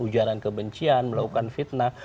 ujaran kebencian melakukan fitnah